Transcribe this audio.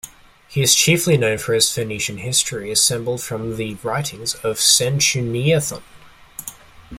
He is chiefly known for his Phoenician history assembled from the writings of "Sanchuniathon".